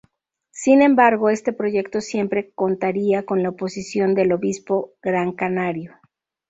Sin embargo este proyecto siempre contaría con la oposición del obispo grancanario.